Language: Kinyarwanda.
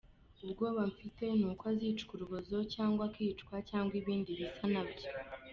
Ubwoba mfite ni uko azicwa urubozo cyangwa akicwa cyangwa ibindi bisa nabyo.